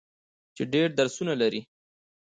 چې ډیر درسونه لري.